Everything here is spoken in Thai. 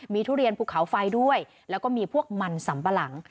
มีทุเรียนภูเขาไฟด้วยแล้วก็มีพวกมันสัมปะหลัง